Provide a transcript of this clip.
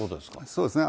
そうですね。